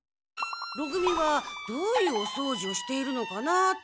ろ組はどういうおそうじをしているのかなって。